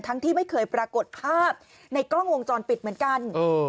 ที่ไม่เคยปรากฏภาพในกล้องวงจรปิดเหมือนกัน